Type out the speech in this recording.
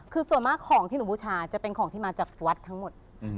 คือส่วนมากของที่หนูบูชาจะเป็นของที่มาจากวัดทั้งหมด